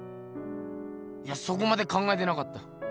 いやそこまで考えてなかった。